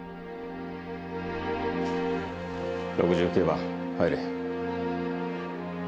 ６９番入れ。